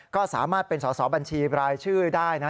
ก็สามารถเป็นสอสอบัญชีบรายชื่อได้นะ